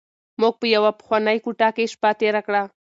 موږ په یوه پخوانۍ کوټه کې شپه تېره کړه.